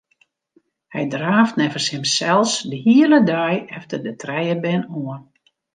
Hy draaft neffens himsels de hiele dei efter de trije bern oan.